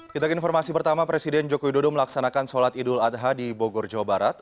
kita ke informasi pertama presiden joko widodo melaksanakan sholat idul adha di bogor jawa barat